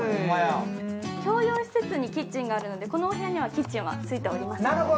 共用施設にキッチンがあるのでこのお部屋にはキッチンはついておりません。